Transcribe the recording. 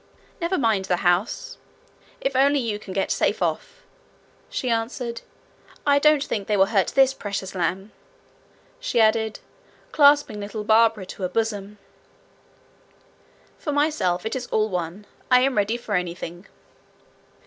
'Never mind the house, if only you can get safe off,' she answered. 'I don't think they will hurt this precious lamb,' she added, clasping little Barbara to her bosom. 'For myself, it is all one; I am ready for anything.'